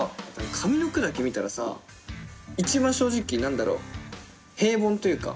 上の句だけ見たらさ一番正直平凡というか。